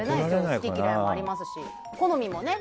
好き嫌いもありますし好みもね。